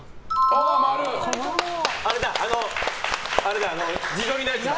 あれだ、自撮りのやつだ。